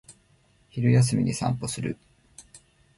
昼休みに散歩する